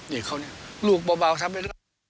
นี่เขาลูกบ่าทำให้